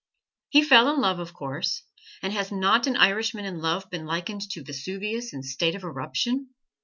He fell in love, of course, and has not an Irishman in love been likened to Vesuvius in state of eruption?